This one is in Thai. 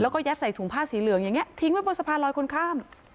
แล้วก็ยัดใส่ถุงผ้าสีเหลืองอย่างนี้ทิ้งไว้บนสะพานลอยคนข้าม